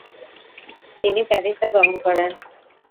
তিনি প্যারিসে গমন করেন।